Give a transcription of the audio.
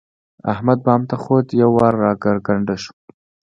احمد بام ته خوت؛ یو وار را کرکنډه شو.